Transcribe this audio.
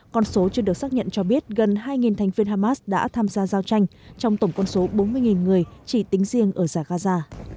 con số chưa được xác nhận cho biết gần hai thành viên hamas đã tham gia giao tranh trong tổng con số bốn mươi người chỉ tính riêng ở giải gaza